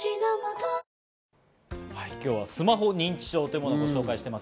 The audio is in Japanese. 今日はスマホ認知症というものをご紹介しています。